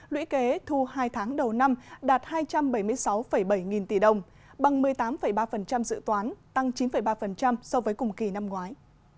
lũy kế thu hai tháng đầu năm đạt hai trăm bảy mươi sáu bảy nghìn tỷ đồng bằng một mươi tám ba dự toán tăng chín ba so với cùng kỳ năm ngoái